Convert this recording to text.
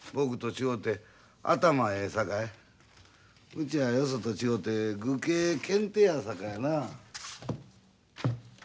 うちはよそと違うて愚兄賢弟やさかいな。